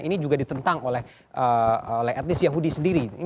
ini juga ditentang oleh etnis yahudi sendiri